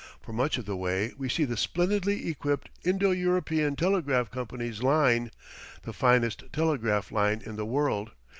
For much of the way we see the splendidly equipped Indo European Telegraph Company's line, the finest telegraph line in the world.